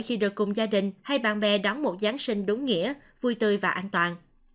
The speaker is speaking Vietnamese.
khi được cùng gia đình hay bạn bè đón một giáng sinh đúng nghĩa vui tươi và an toàn